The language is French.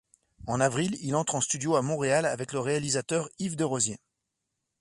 En avril, il entre en studio à Montréal avec le réalisateur Yves Desrosiers.